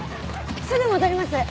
すぐ戻ります。